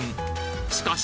しかし